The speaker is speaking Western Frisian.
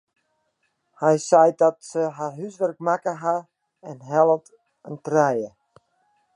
Hja seit dat se har húswurk makke hat en hellet in trije.